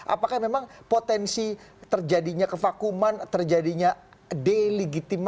apakah memang potensi terjadinya kevakuman terjadinya delegitimasi pemimpin baru dalam pemimpin